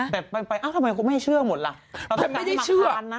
ฮะแบบไปทำไมก็ไม่เชื่อหมดล่ะเราก็การให้มะครานนะเออแต่ไม่ได้เชื่อ